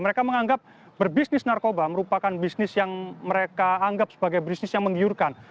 mereka menganggap berbisnis narkoba merupakan bisnis yang mereka anggap sebagai bisnis yang menggiurkan